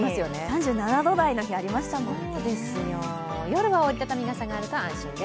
３７度台の日がありましたもんね。